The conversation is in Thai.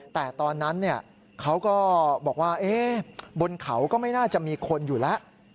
แต่ตอนนั้นเขาก็บอกว่าบนเขาก็ไม่น่าจะมีคนอยู่แล้ว